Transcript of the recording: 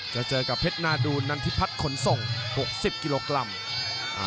จะเจอกับเพชรนาดูนันทิพัฒน์ขนส่ง๖๐กิโลกรัม